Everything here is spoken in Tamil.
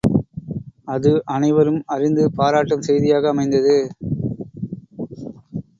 அது அனைவரும் அறிந்து பாராட்டும் செய்தியாக அமைந்தது.